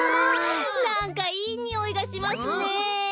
なんかいいにおいがしますねえ。